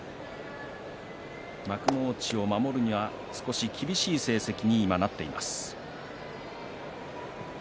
幕内を守るには少し厳しい成績に今なっています。